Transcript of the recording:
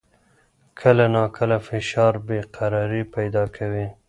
کله ناکله فشار بې قراري پیدا کوي.